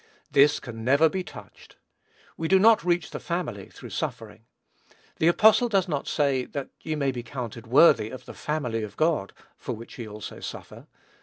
This can never be touched. We do not reach the family through suffering. The apostle does not say, "that ye may be counted worthy of the family of God for which ye also suffer."